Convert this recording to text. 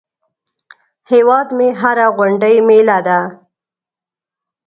هیواد مې هره غونډۍ مېله ده